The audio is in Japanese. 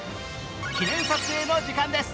記念撮影の時間です。